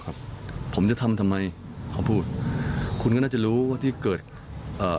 ครับผมจะทำทำไมเขาพูดคุณก็น่าจะรู้ว่าที่เกิดอ่า